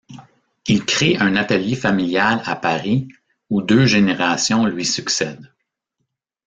Il crée un atelier familial à Paris où deux générations lui succèdent.